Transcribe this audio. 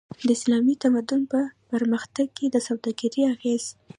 د اسلامي تمدن په پرمختګ کی د سوداګری اغیز